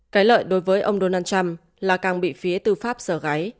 cái lợi đối với ông donald trump là càng bị phía tư pháp sở gáy